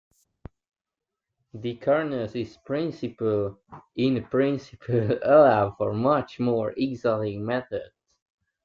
The kernels in principle allow for much more exotic methods.